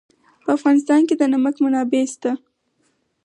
په افغانستان کې د نمک منابع شته.